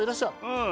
うん。